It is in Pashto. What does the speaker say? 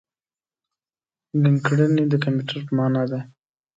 ګڼکړنی د کمپیوټر په مانا دی.